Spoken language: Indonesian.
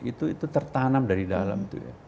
itu itu tertanam dari dalam